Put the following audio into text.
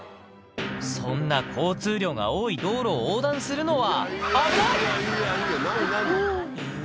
そんな交通量が多い道路を横断するのは危ない！